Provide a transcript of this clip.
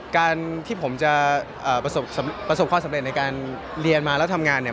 การที่ผมจะประสบความสำเร็จในการเรียนมาแล้วทำงานเนี่ย